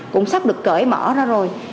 cũng sắp được cởi mở ra rồi